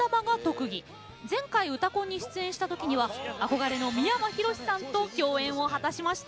前回「うたコン」に出演した時には憧れの三山ひろしさんと共演を果たしました。